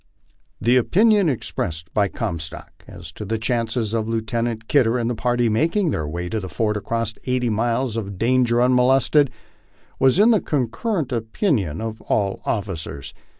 The opinion expressed by Comstock as to the chances of Lieutenant Kidder and party making their way to the fort across eighty miles of danger unmo lested, was the concurrent opinion of all the officers.